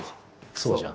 そうじゃん。